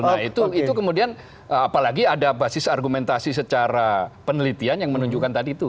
nah itu kemudian apalagi ada basis argumentasi secara penelitian yang menunjukkan tadi itu